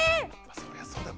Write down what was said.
そりゃそうだよ。